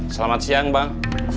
selamat siang bang